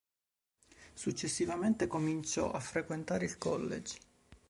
Successivamente, cominciò a frequentare il college.